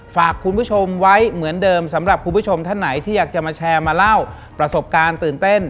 ฝากคุณผู้ชมไว้เหมือนเดิมสำหรับคุณผู้ชมท่านไหนที่อยากจะมาแชร์มาเล่าประสบการณ์ตื่นเต้น